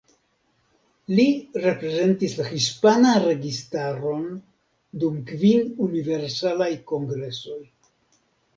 Li reprezentis la hispanan registaron dum kvin Universalaj Kongresoj.